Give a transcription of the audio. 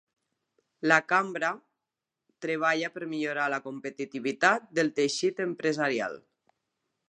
La cambra treballa per millorar la competitivitat del teixit empresarial.